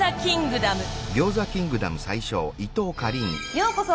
ようこそ！